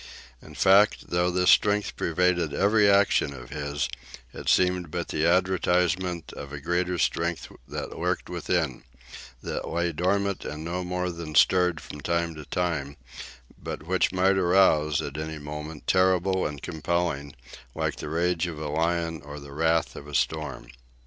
In fact, though this strength pervaded every action of his, it seemed but the advertisement of a greater strength that lurked within, that lay dormant and no more than stirred from time to time, but which might arouse, at any moment, terrible and compelling, like the rage of a lion or the wrath of a storm.